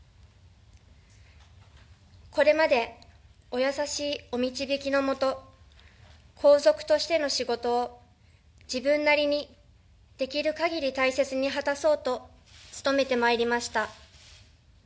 これまで、お優しいお導きのもと皇族としての仕事を自分なりにできるかぎり大切に果たそうと努めてまいりました。